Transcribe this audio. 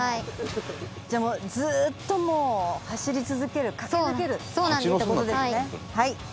じゃあもうずっともう走り続ける駆け抜けるって事ですね。